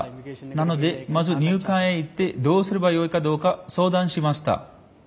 なのでまず入管へ行ってどうすればよいかどうか相談しました。